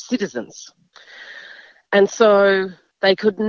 dan sehingga mereka tidak bisa